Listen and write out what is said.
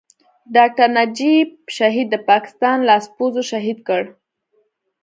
ډاکټر نجيب شهيد د پاکستان لاسپوڅو شهيد کړ.